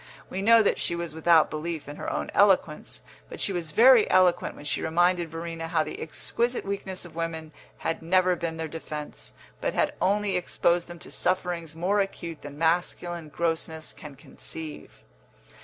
We know that she was without belief in her own eloquence, but she was very eloquent when she reminded Verena how the exquisite weakness of women had never been their defence, but had only exposed them to sufferings more acute than masculine grossness can conceive.